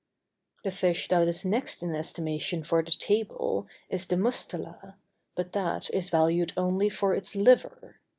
The fish that is next in estimation for the table is the mustela, but that is valued only for its liver.